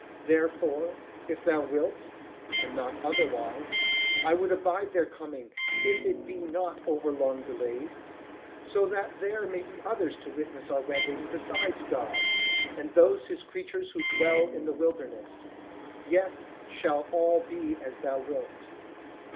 Therefore if thou wilt (and not otherwise) I would abide their coming if it be not over long delayed; so that there may be others to witness our wedding besides God, and those his creatures who dwell in the wilderness. Yet shall all be as thou wilt."